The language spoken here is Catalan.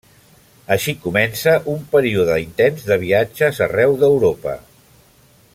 Així comença un període intens de viatges arreu d'Europa.